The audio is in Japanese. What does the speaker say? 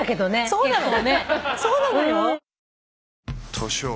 そうなの。